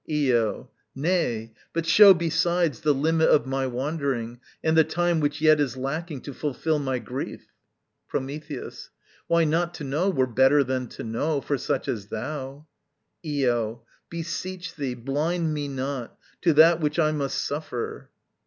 Io. Nay, but show besides The limit of my wandering, and the time Which yet is lacking to fulfil my grief. Prometheus. Why, not to know were better than to know For such as thou. Io. Beseech thee, blind me not To that which I must suffer.